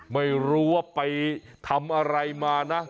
ไม่รู้ว่าไปทำอะไรมานะ